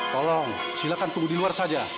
tolong silahkan tunggu di luar saja